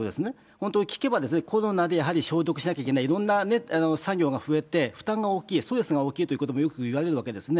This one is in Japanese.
本当に聞けば、コロナでやはり消毒しなきゃいけない、いろんな作業が増えて負担が大きい、ストレスが大きいということもよくいわれるわけですね。